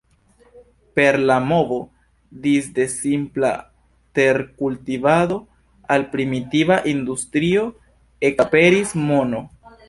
Per la movo disde simpla terkultivado al primitiva industrio, ekaperis mono.